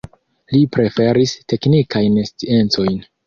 Li preferis teknikajn sciencojn.